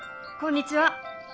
こんにちは！